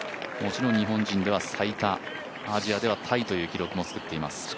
もちろん日本人では最多アジアではタイという記録もつくっています。